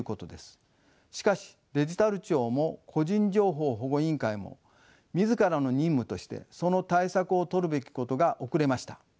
しかしデジタル庁も個人情報保護委員会も自らの任務としてその対策をとるべきことが遅れました。